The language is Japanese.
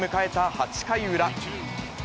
８回裏。